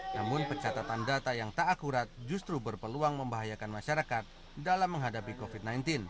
namun pencatatan data yang tak akurat justru berpeluang membahayakan masyarakat dalam menghadapi covid sembilan belas